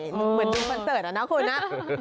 เหมือนดูคอนเสิร์ตเหรอนะคุณนะ